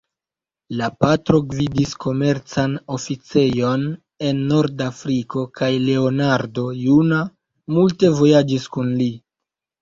La patro gvidis komercan oficejon en Nord-Afriko kaj Leonardo juna multe vojaĝis kun li.